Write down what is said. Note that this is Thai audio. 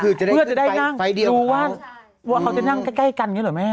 เพื่อจะได้นั่งดูว่าเขาจะนั่งใกล้กันอย่างนี้เหรอแม่